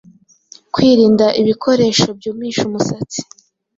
kwirinda ibikoresho byumisha umusatsi